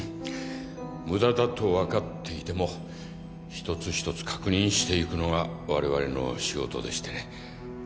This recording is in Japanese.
無駄だと分かっていても一つ一つ確認していくのがわれわれの仕事でしてね。